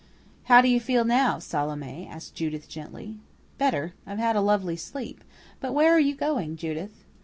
"How do you feel now, Salome?" asked Judith gently. "Better. I've had a lovely sleep. But where are you going, Judith?"